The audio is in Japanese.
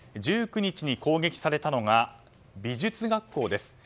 １９日に攻撃されたのが美術学校です。